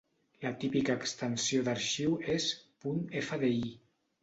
La típica extensió d'arxiu és ".fdi".